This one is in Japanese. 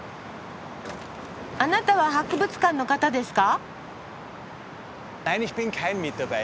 あなたは博物館の方ですか？